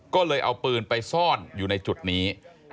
ก็เลยเอาปืนไปซ่อนอยู่ในจุดนี้